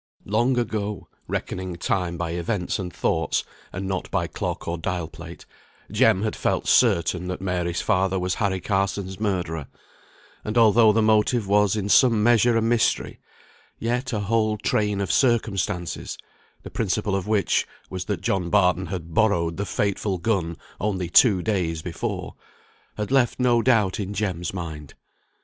Long ago (reckoning time by events and thoughts, and not by clock or dial plate), Jem had felt certain that Mary's father was Harry Carson's murderer; and although the motive was in some measure a mystery, yet a whole train of circumstances (the principal of which was that John Barton had borrowed the fatal gun only two days before) had left no doubt in Jem's mind.